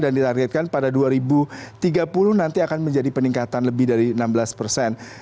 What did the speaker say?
ditargetkan pada dua ribu tiga puluh nanti akan menjadi peningkatan lebih dari enam belas persen